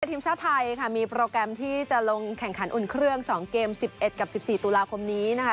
ทีมชาติไทยค่ะมีโปรแกรมที่จะลงแข่งขันอุ่นเครื่อง๒เกม๑๑กับ๑๔ตุลาคมนี้นะคะ